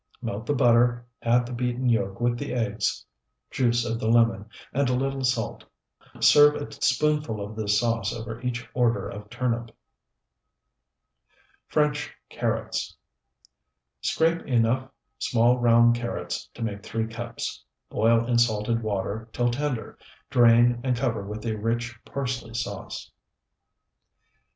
Melt the butter, add the beaten yolk with the eggs, juice of the lemon, and a little salt. Serve a spoonful of this sauce over each order of turnip. FRENCH CARROTS Scrape enough small round carrots to make three cups; boil in salted water till tender; drain, and cover with a rich parsley sauce.